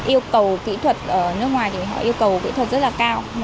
yêu cầu kỹ thuật ở nước ngoài thì họ yêu cầu kỹ thuật rất là cao